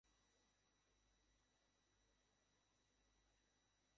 স্ত্রী পাখির গলা ও বুকে কেবল নীলাভ গোঁফ-ডোরা, সোনালি রং পুরুষের চেয়ে হালকা।